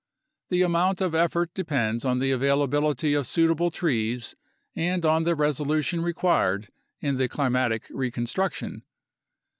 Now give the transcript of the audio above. The amount of effort depends on the availability of suitable trees and on the resolution required in the climatic reconstruction.